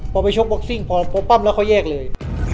พอไปชกบ็อกซิ่งพอปั้มแล้วเขาแยกเลย